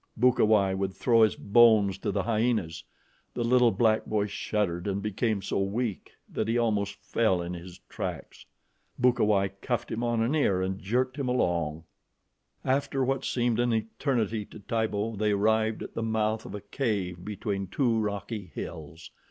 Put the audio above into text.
Bukawai would throw his bones to the hyenas. The little black boy shuddered and became so weak that he almost fell in his tracks. Bukawai cuffed him on an ear and jerked him along. After what seemed an eternity to Tibo, they arrived at the mouth of a cave between two rocky hills.